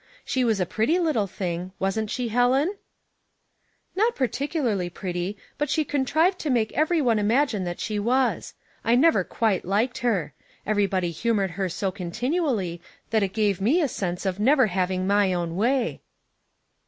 She was a pretty little thing; wasn't she, Helen ?" "Not particularly pretty; but she contrived to make every one imagine that she was. I never quite liked her. Everybody humored her so continually that it gave me a sense of never having my own way."